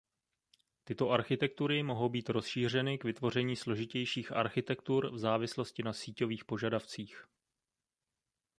Tyto architektury mohou být rozšířeny k vytvoření složitějších architektur v závislosti na síťových požadavcích.